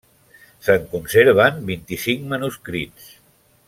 Se'n conserven vint-i-cinc manuscrits.